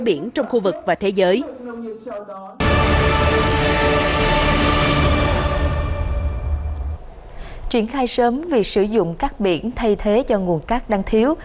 biển trong khu vực và thế giới triển khai sớm việc sử dụng các biển thay thế cho nguồn cát đang thiếu